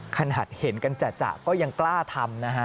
ขนาดเห็นกันจ่ะก็ยังกล้าทำนะฮะ